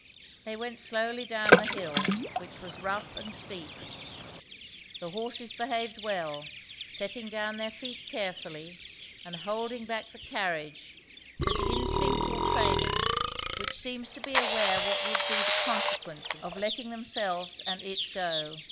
They went slowly down the hill, which was rough and steep. The horses behaved well, setting down their feet carefully, and holding back the carnage with the instinct or training which seems to be aware what would be the consequence of letting themselves and it go.